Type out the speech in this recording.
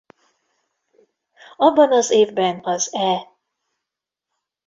Abban az évben az E!